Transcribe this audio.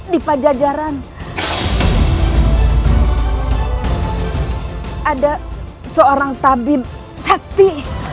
di pajajaran ada seorang tabim sakti